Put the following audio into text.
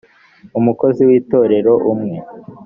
umukozi w itorero umwe